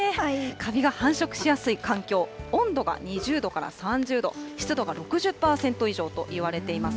カビが繁殖しやすい環境、温度が２０度から３０度、湿度が６０％以上といわれています。